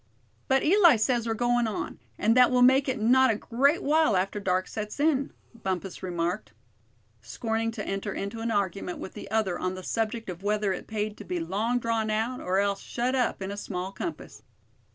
"But Eli says we're going on, and that we'll make it not a great while after dark sets in," Bumpus remarked, scorning to enter into an argument with the other on the subject of whether it paid to be long drawn out, or else shut up in a small compass.